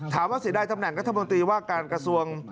ถามว่าเสียดายธรรมแห่งกรัฐมนตรีว่าการกระทรวง